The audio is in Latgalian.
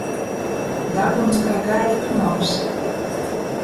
Daguns kai gaiļa kņuobs.